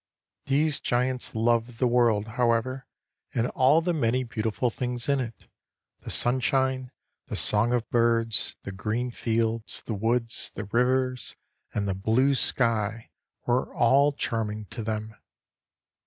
These giants loved the world, however, and all the many beautiful things in it. The sunshine, the song of birds, the green fields, the woods, the rivers, and the blue sky were all charming to them.